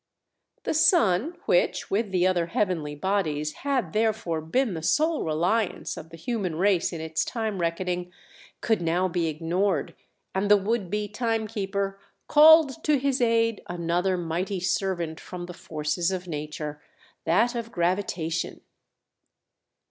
The sun, which, with the other heavenly bodies, had therefore been the sole reliance of the human race in its time reckoning could now be ignored and the would be timekeeper called to his aid another mighty servant from the forces of nature—that of gravitation.